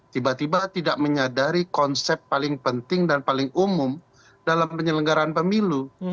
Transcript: tiba tiba tidak menyadari konsep paling penting dan paling umum dalam penyelenggaraan pemilu